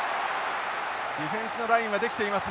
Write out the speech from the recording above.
ディフェンスのラインはできています。